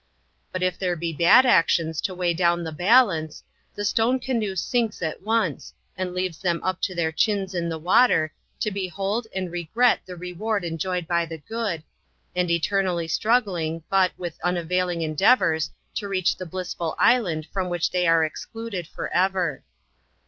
But if there be bad actions to weigh down the balance, the stone canoe sinks at once, and leaves them up to their chins in the water, to be hold and regret the reward enjoyed by the good, and eternal ly strugling, but, with unavailing endeavors, to reach the blissful island from which they are excluded forever.